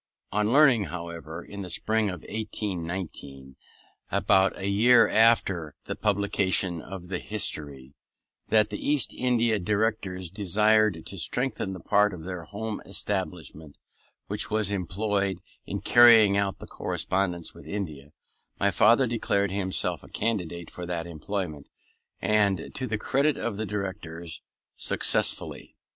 On learning, however, in the spring of 1819, about a year after the publication of the History, that the East India Directors desired to strengthen the part of their home establishment which was employed in carrying on the correspondence with India, my father declared himself a candidate for that employment, and, to the credit of the Directors, successfully.